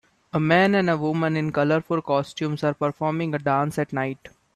A man and a woman in colorful costumes are performing a dance at night